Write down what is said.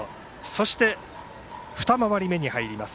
そして、２回り目に入ります。